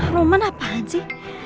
roman apaan sih